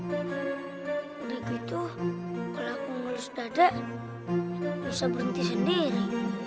udah gitu kalau aku ngulus dada bisa berhenti sendiri